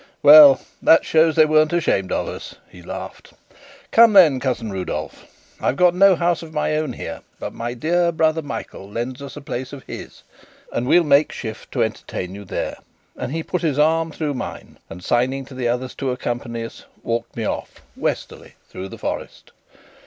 "Well, that shows they weren't ashamed of us," he laughed. "Come, then, cousin Rudolf; I've got no house of my own here, but my dear brother Michael lends us a place of his, and we'll make shift to entertain you there;" and he put his arm through mine and, signing to the others to accompany us, walked me off, westerly, through the forest.